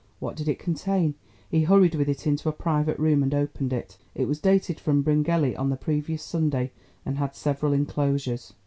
What did it contain? He hurried with it into a private room and opened it. It was dated from Bryngelly on the previous Sunday and had several inclosures.